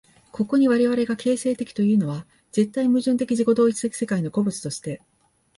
ここに我々が形成的というのは、絶対矛盾的自己同一的世界の個物として、